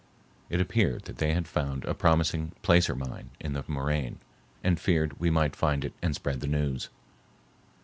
It appeared that they had found a promising placer mine in the moraine and feared we might find it and spread the news.